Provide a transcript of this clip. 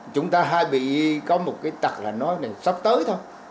chúng ta hay bị có một cái tật là nói là sắp tới thôi